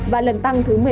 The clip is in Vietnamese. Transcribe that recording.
và lần tăng thứ một mươi ba